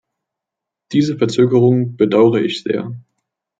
Diese Verzögerung bedaure ich sehr.